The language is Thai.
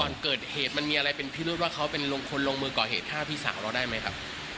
ก่อนเกิดเหตุมันมีอะไรเป็นพิรุษว่าเขาเป็นคนลงมือก่อเหตุฆ่าพี่สาวเราได้ไหมครับ